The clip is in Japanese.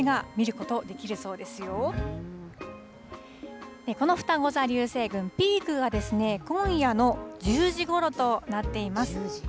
このふたご座流星群、ピークが今夜の１０時ごろとなっています。